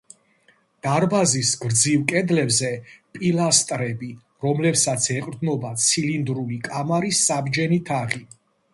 დარბაზის გრძივ კედლებზე პილასტრები, რომლებსაც ეყრდნობა ცილინდრული კამარის საბჯენი თაღი.